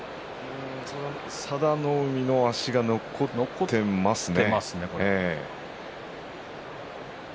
佐田の海の足が残っていますね。